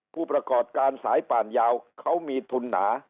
ผู้ประกอบการสายป่านยาวเขามีทุนหนา